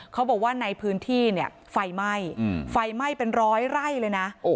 เขาบอกว่าในพื้นที่เนี่ยไฟไหม้ไฟไหม้เป็นร้อยไร่เลยนะ